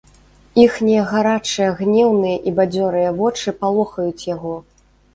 Іхнія гарачыя, гнеўныя і бадзёрыя вочы палохаюць яго.